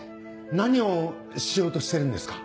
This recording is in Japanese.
何をしようとしてるんですか？